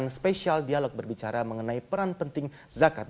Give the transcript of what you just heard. anda tengah menyaksikan spesial dialog berbicara mengenai peran penting zakat